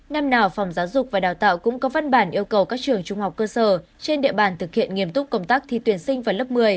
năm nào phòng giáo dục và đào tạo cũng có văn bản yêu cầu các trường trung học cơ sở trên địa bàn thực hiện nghiêm túc công tác thi tuyển sinh vào lớp một mươi